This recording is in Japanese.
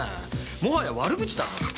もはや悪口だ。